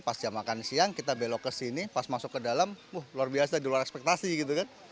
pas jam makan siang kita belok ke sini pas masuk ke dalam wah luar biasa di luar ekspektasi gitu kan